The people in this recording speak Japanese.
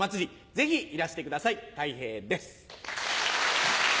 ぜひいらしてくださいたい平です。